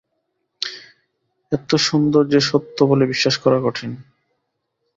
এত্ত সুন্দর যে সত্য বলে বিশ্বাস করা কঠিন।